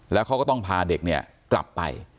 แล้วเขาก็ต้องพาเด็กเนี่ยกลับไป